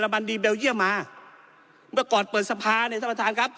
เมื่อก่อนเปิดสภาในท่านประธานครับ